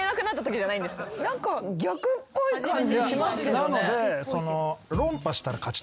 なので。